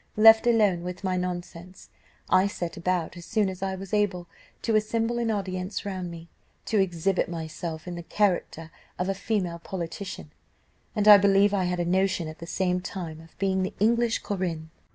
Left alone with my nonsense, I set about, as soon as I was able, to assemble an audience round me, to exhibit myself in the character of a female politician, and I believe I had a notion at the same time of being the English Corinne.